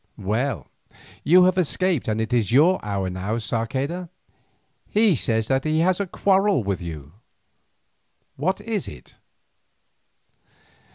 "Well, you have escaped and it is your hour now, Sarceda. He says that he has a quarrel with you; what is it?"